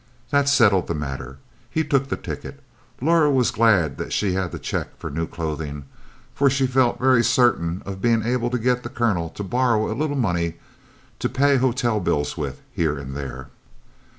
That settled the matter. He took the ticket. Laura was glad that she had the check for new clothing, for she felt very certain of being able to get the Colonel to borrow a little of the money to pay hotel bills with, here and there.